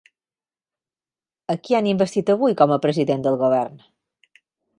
A qui han investit avui com a president del govern?